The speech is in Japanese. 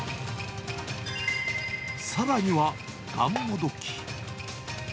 さらにはがんもどき。